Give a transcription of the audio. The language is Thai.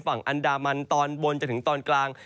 ฝั่งอันดามันตอนบนจนถึงตอนกลาง